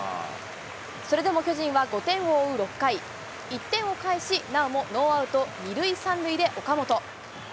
それでも巨人は５点を追う６回、１点を返し、なおもノーアウト２塁３塁で岡本。